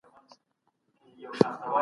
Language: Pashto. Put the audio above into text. دا کوچنۍ پرېکړې زموږ راتلونکی جوړوي.